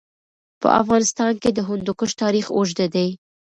په افغانستان کې د هندوکش تاریخ اوږد دی.